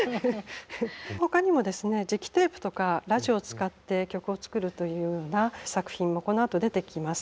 ほかにもですね磁気テープとかラジオを使って曲を作るというような作品もこのあと出てきます。